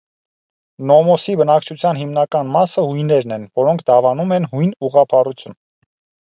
Նոմոսի բնակչության հիմնական մասը հույներն են, որոնք դավանում են հույն ուղղափառություն։